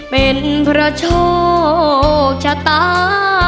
เป็นเพราะโชคชะตา